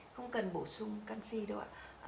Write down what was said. không cần bổ sung canxi đâu ạ